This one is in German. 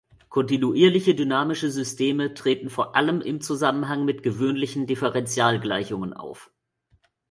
Kontinuierliche dynamische Systeme treten vor allem im Zusammenhang mit gewöhnlichen Differentialgleichungen auf.